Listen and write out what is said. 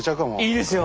いいですよ！